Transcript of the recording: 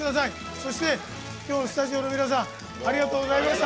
そして、今日スタジオの皆さんありがとうございました。